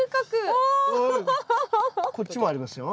こっちもありますよ。